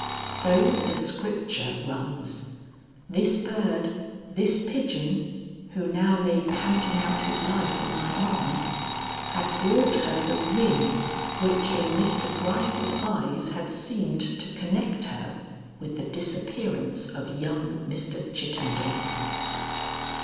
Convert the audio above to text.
So the Scripture runs. This bird, this pigeon, who now lay panting out his life in my arms had brought her the ring which in Mr. Gryce's eyes had seemed to connect her with the disappearance of young Mr. Chittenden.